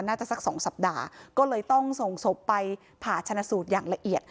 สักสองสัปดาห์ก็เลยต้องส่งศพไปผ่าชนะสูตรอย่างละเอียด